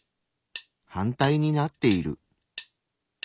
反対になっている。